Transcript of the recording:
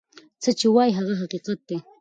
څه چی وای هغه حقیقت دی.